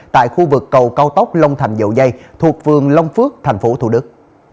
tại khu vực cầu cao tốc long thành dậu dây thuộc phường long phước tp thủ đức